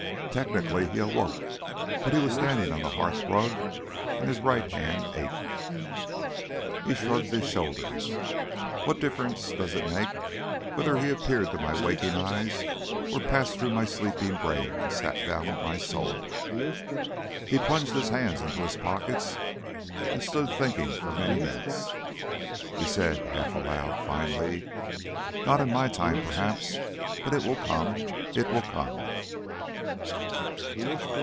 Technically he awoke. But he was standing on the hearthrug. And his right hand ached. He shrugged his shoulders. "What difference does it make whether he appeared to my waking eyes or passed through my sleeping brain and sat down with my soul?" He plunged his hands into his pockets and stood thinking for many minutes. He said, half aloud, finally, "Not in my time, perhaps. But it will come, it will come."